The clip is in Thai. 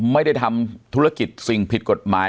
ไม่ได้ทำธุรกิจสิ่งผิดกฎหมาย